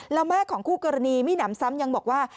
แล้วแม่ของคู่กรณีไม่หนำซ้ำยังบอกว่า